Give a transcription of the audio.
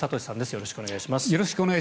よろしくお願いします。